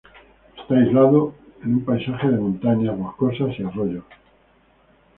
Está aislado en un paisaje de montañas boscosas y arroyos.